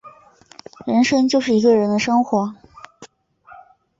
人生就是一个人的生活